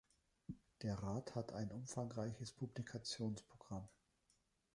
Der Rat hat ein umfangreiches Publikationsprogramm.